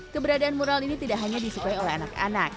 keberadaan mural ini tidak hanya disukai oleh anak anak